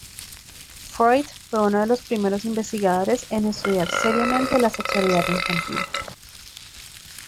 Freud fue uno de los primeros investigadores en estudiar seriamente la sexualidad infantil.